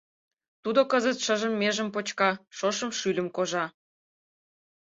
Тудо кызыт шыжым межым почка, шошым шӱльым кожа.